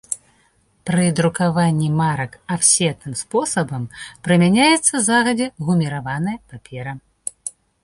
Пры друкаванні марак афсетным спосабам прымяняецца загадзя гуміраваная папера.